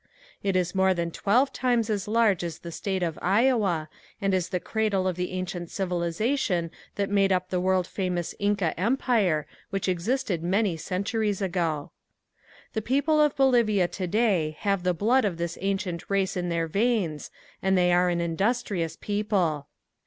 It is more than twelve times as large as the state of Iowa and is the cradle of the ancient civilization that made up the world famous Inca empire which existed many centuries ago. The people of Bolivia today have the blood of this ancient race in their veins and they are an industrious people.